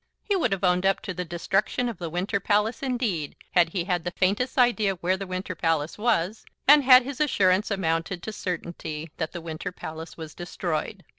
He would have owned up to the destruction of the Winter Palace indeed, had he had the faintest idea where the Winter Palace was, and had his assurance amounted to certainty that the Winter Palace was destroyed.